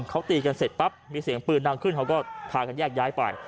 เขาตีกันเสร็จปั๊บมีเสียงปืนดังขึ้นเขาก็พากันแยกย้ายไป